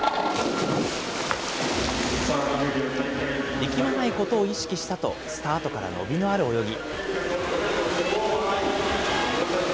力まないことを意識したと、スタートから伸びのある泳ぎ。